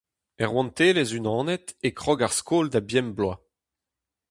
Er Rouantelezh-Unanet e krog ar skol da bemp bloaz.